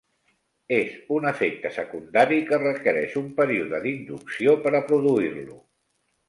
És un efecte secundari que requereix un període d'inducció per a produir-lo.